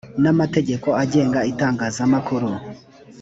n amategeko agenga itangazamakuru